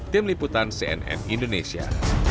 tim liputan cnn indonesia